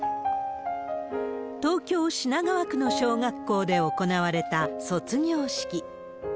東京・品川区の小学校で行われた卒業式。